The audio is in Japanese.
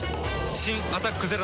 新「アタックＺＥＲＯ」